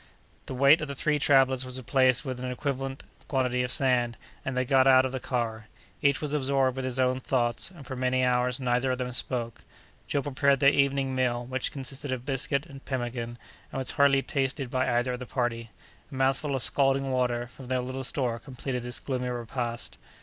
The weight of the three travellers was replaced with an equivalent quantity of sand, and they got out of the car. Each was absorbed in his own thoughts; and for many hours neither of them spoke. Joe prepared their evening meal, which consisted of biscuit and pemmican, and was hardly tasted by either of the party. A mouthful of scalding water from their little store completed this gloomy repast.